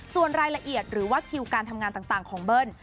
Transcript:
ส่วนรายละเอียดหรือว่าคิวการทำงานต่างของเบิ้ล